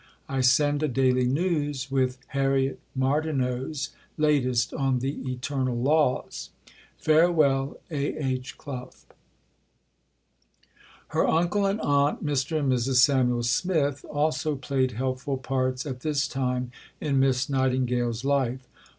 I send a Daily News with H[arriet] M[artineau]'s latest on the Eternal Laws. Farewell, A. H. Clough." Her uncle and aunt, Mr. and Mrs. Samuel Smith, also played helpful parts at this time in Miss Nightingale's life.